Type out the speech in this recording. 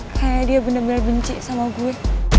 kayaknya dia bener bener benci sama gue